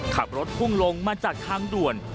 ขับรถพุ่งลงมาจากทางด่วน